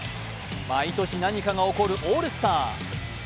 毎年何かが起こるオールスター。